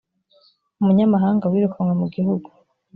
umunyamahanga wirukanywe mu gihugu